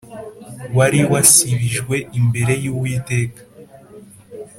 wari wasibijwe imbere y’Uwiteka